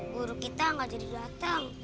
guru kita gak jadi datang